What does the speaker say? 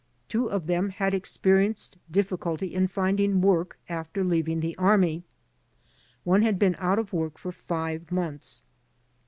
Two of them had experienced difficulty in finding work after leaving the army; one had been out of work for five months.